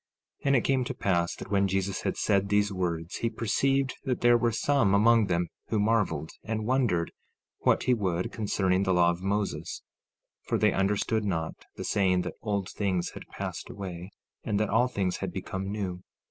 15:2 And it came to pass that when Jesus had said these words he perceived that there were some among them who marveled, and wondered what he would concerning the law of Moses; for they understood not the saying that old things had passed away, and that all things had become new.